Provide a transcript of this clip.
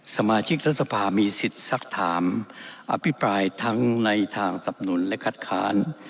สมาชิกรัฐสภามีสิทธิ์สักถามอภิปรายทั้งในทางสับหนุนและคัดค้าน